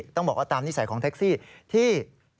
ต้องบอกว่าตามนิสัยของแท็กซี่ที่